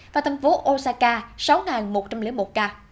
và thành phố osaka sáu một trăm linh một ca